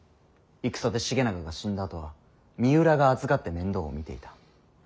戦で重長が死んだあとは三浦が預かって面倒を見ていた。